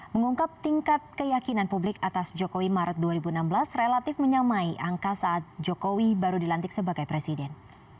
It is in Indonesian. mengungkap tingkat keyakinan publik atas jokowi maret dua ribu enam belas relatif menyamai angka saat jokowi baru dilantik sebagai presiden